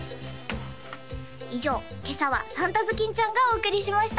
以上今朝はサンタズキンちゃんがお送りしました